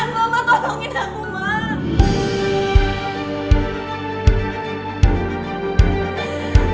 bapak tolongin aku mak